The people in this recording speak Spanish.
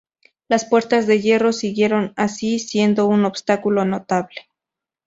Las Puertas de Hierro siguieron así siendo un obstáculo notable.